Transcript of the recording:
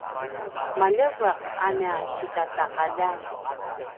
maljeveq a nia sikataqaljan